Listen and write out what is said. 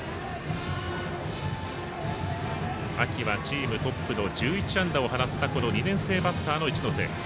秋はチームトップの１１安打を放った２年生バッターの市ノ瀬。